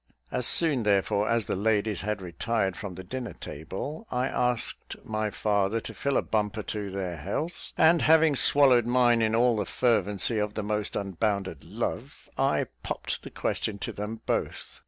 As soon, therefore, as the ladies had retired from the dinner table, I asked my father to fill a bumper to their health; and, having swallowed mine in all the fervency of the most unbounded love, I popped the question to them both.